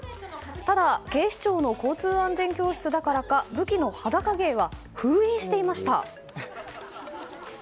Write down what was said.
ただ、警視庁の交通安全教室だからか武器の裸芸は封印していました。